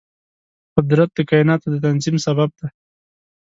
قدرت د کایناتو د تنظیم سبب دی.